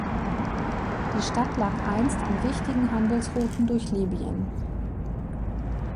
Die Stadt lag einst an wichtigen Handelsrouten durch Libyen.